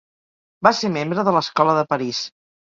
Va ser membre de l'Escola de París.